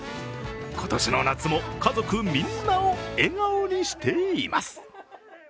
今年の夏も家族みんなを笑顔にしています。